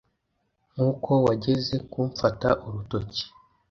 nkuko wageze kumfata urutoki